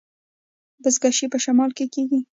بزکشي په شمال کې کیږي